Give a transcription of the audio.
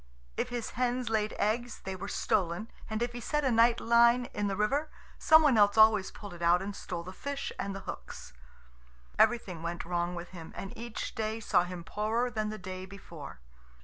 If his hens laid eggs, they were stolen; and if he set a night line in the river, some one else always pulled it out and stole the fish and the hooks. Everything went wrong with him, and each day saw him poorer than the day before.